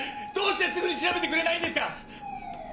どうしてすぐに調べてくれないんですか！